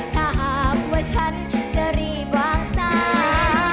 ถ้าหากว่าฉันจะรีบวางสา